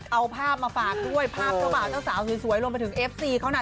เอาภาพมาฝากด้วยภาพเท่าสาวสวยลงไปถึงเอฟซีเขานะ